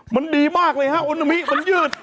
มันดีมากเลยฮะอุนามิมันยืด